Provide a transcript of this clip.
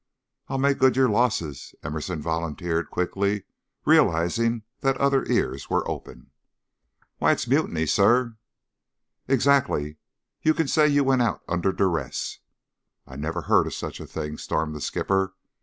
"I'll make good your losses," Emerson volunteered, quickly, realizing that other ears were open. "Why, it's mutiny, sir." "Exactly! You can say you went out under duress." "I never heard of such a thing," stormed the skipper.